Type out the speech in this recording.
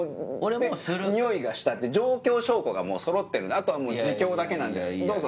においがしたっていう状況証拠がもうそろってるんであとはもう自供だけなんですどうぞ。